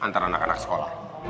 antar anak anak sekolah